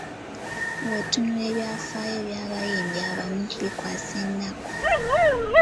Bw’otunuulira ebyafaayo by’abayimbi abamu bikwasa ennaku.